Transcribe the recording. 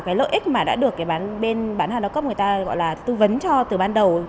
cái lợi ích mà đã được cái bán bên bán hàng đa cấp người ta gọi là tư vấn cho từ ban đầu